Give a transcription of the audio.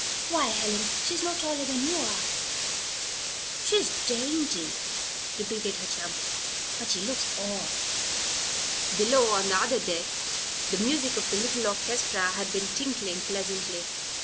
Why, Helen, she's no taller than you are." "She's dainty," repeated her chum. "But she looks odd." Below, on the other deck, the music of a little orchestra had been tinkling pleasantly.